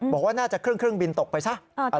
บอกว่าน่าจะครึ่งเครื่องบินตกไปซะ